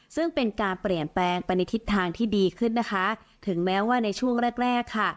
ซึ่งเป็นการเปลี่ยนแปลงไปในทิศทางที่ดีขึ้นนะคะถึงแม้ว่าในช่วงแรกแรกค่ะ